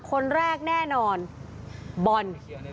คนแรกแน่นอนบอล